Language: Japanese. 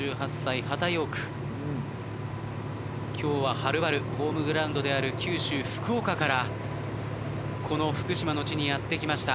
今日ははるばるホームグラウンドである九州福岡からこの福島の地にやって来ました。